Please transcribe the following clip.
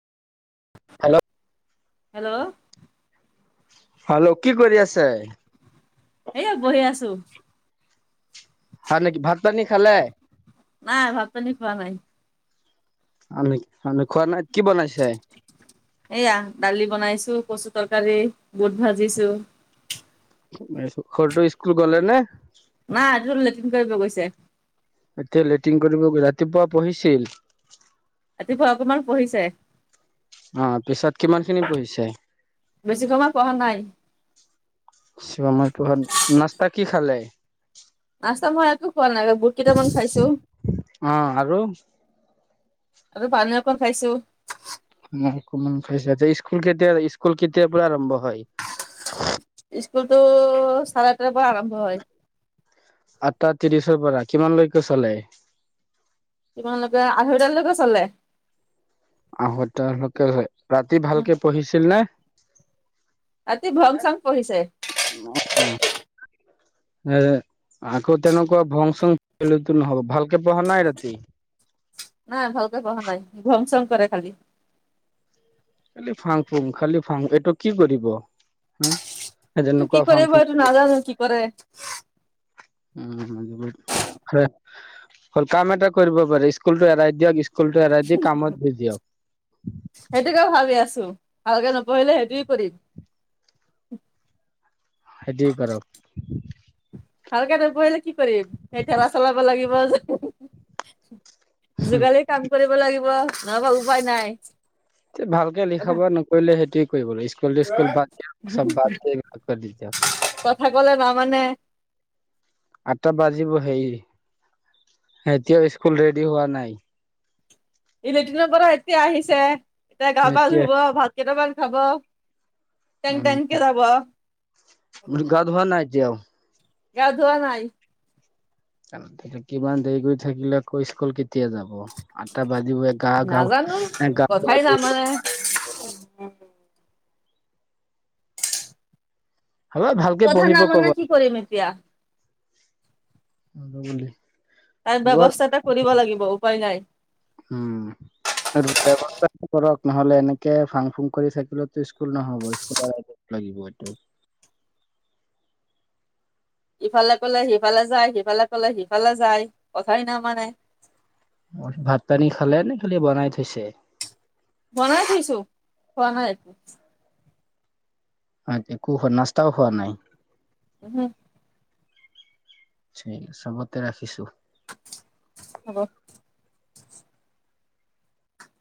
Hello? Hello? Hello, কি কৰি আছে? এয়া বহি আছোঁ। হয় নেকি? ভাত-পানী খালে? নাই, ভাত-পানী খোৱা নাই। আমি- আমি খোৱা নাই। কি বনাইছে? এইয়া দালি বনাইছোঁ, কচু তৰকাৰী, বুট ভাজিছোঁ। সৰুটো স্কুল গ'লে নে? নাই, এইটো লেট্ৰিন কৰিব গৈছে। এতিয়া লেটিং কৰিব- ৰাতিপুৱা পঢ়িছিল? ৰাতিপুৱা অকমান পঢ়িছে। অ' পিছত কিমানখিনি পঢ়িছে? বেছি সময় পঢ়া নাই। বেছি সময় পঢ়া- নাস্তা কি খালে? নাস্তা মই একো খোৱা নাই। বুট কেইটামান খাইছোঁ। অ আৰু আৰু পানী অকণ খাইছোঁ। মূক অকমান খাইছা- তে স্কুল কেতিয়া- স্কুল কেতিয়া পৰা আৰম্ভ হয়? স্কুলটো চাৰে আঠটাৰ পৰা আৰম্ভ হয়। আঠটা ত্ৰিশৰ পৰা কিমানলৈকে চলে? কিমানলৈকে, আঢ়ৈটালৈকে চলে। আঢ়ৈটা লৈকে হয়। ৰাতি ভালকে পঢ়িছিল নে? ৰাতি ভং চং পঢ়িছে। হে আকৌ তেনেকুৱা ভং চং লেতো নহব। ভালকে পঢ়া নাই ৰাতি? নাই ভালকে পহা নাই ঘং চং কৰে খালি। খালি ফাং ফুং খালি ফাং এইটো কি কৰিব হো। এইটো কি কৰিব এইটো নাজানো কি কৰে। উম হবদে [unintelligible] অকল কাম এটা কৰিব পাৰে স্কুল টো এৰাই দিয়ক স্কুল টো এৰাই দি কামত দি দিয়ক সেইটোকে ভাবি আছো। ভালকে নপঢ়িলে সেইটোৱে কৰিম। সেইটিৱেই কৰক। ভালকে নপহিলে কি কৰিম সেই ঠেলা চলাব লাগিব যে যোগালি কাম কৰিব লাগিব নহবা উপায় নাই। ভালকে লিখা কথা নৰিলে সেইটোয়ে কৰিব লাগিব ই স্কুল স্কুল বাদ দিয়ক চব বাদ দিয়ক দি কথা কলে নামানে আঠটা বাজিব হে এতিয়াও স্কুল ৰেডি হোৱা নাই। ই লেট্ৰিনৰ পৰা এতিয়া আহিছে এতিয়া গা পা এতিয়া ধুব ভাত কেইটামান খাব। টেং টেংকে যাব উ গা ধোৱা নাই এতিয়াও গ ধোৱা নাই। কিমান দেৰি কৰি থাকিলে আকৌ স্কুল কেতিয়া যাব আটা বাজিব। গা গা নাজানো গা কথাই [unintelligible] নামানে হব ভালকে কথা পহিব ক'ব, নামানে কি কৰিম এতিয়া নাজাও বুলি তাৰ এইবাৰ ব্যৱস্থা এটা কৰিব লাগিব উপায় নাই। উম ব্যয়ৱস্থাটো কৰক নহলে এনেকে ফাং ফুং কৰি থাকিলো স্কুল নহ'ব স্কুলৰ- লাগিব এইটো। ইফালে কলে সিফালে যায়। সিফালে কলে সিফালে যায় কথাই নামানে ভাত, পানী, খালে নে খালি বনাই থৈছে। বনাই থৈছোঁ খোৱা নাই আছ একো নাস্তাও খোৱা নাই। উম হো চবততে ৰাখিছো। হ'ব